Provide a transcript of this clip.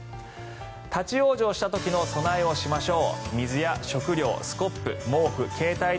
立ち往生した時の備えをしましょう。